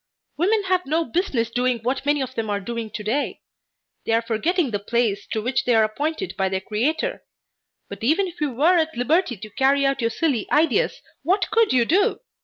"Women have no business doing what many of them are doing today. They are forgetting the place to which they were appointed by their Creator. But even if you were at liberty to carry out your silly ideas, what could you do?